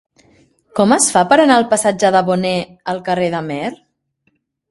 Com es fa per anar del passatge de Boné al carrer de Meer?